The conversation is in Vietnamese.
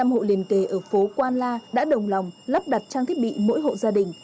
hai mươi năm hộ liền kề ở phố quan la đã đồng lòng lắp đặt trang thiết bị mỗi hộ gia đình